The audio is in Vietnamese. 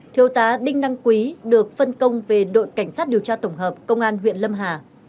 thiếu tá đinh năng quý được phân công về đội cảnh sát điều tra tổng hợp công an huyện lâm hà